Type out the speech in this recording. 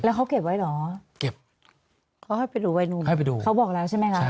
แล้วเขาเก็บไว้หรอเก็บเขาให้ไปดูวัยหนุ่มเขาบอกแล้วใช่ไหมครับ